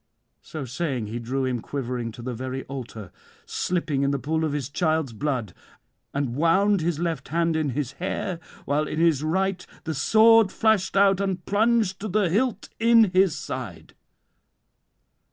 So saying, he drew him quivering to the very altar, slipping in the pool of his child's blood, and wound his left hand in his hair, while in his right the sword flashed out and plunged to the hilt in his side.